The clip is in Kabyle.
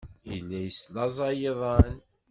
Yella yeslaẓay iḍan.